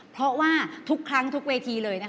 เพราะว่าทุกครั้งทุกเวทีเลยนะคะ